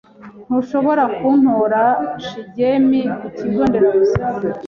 Ntushobora kuntora Shigemi ku kigo nderabuzima?